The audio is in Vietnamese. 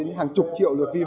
đến hàng chục triệu lượt view